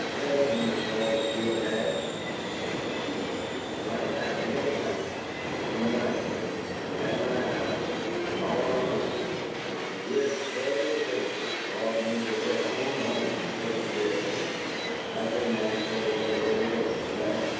"There ain't any call to feel bad," said Eskew. "It might have happened any time in the night, maybe at my house and all alone but here's Airie Tabor brought me to her own home and takin' care of me. I couldn't ask any better way to go, could I?"